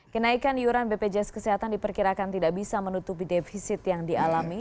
kenaikan iuran bpjs kesehatan diperkirakan tidak bisa menutupi defisit yang dialami